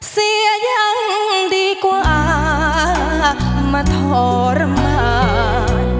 เสียยังดีกว่ามาทรมาน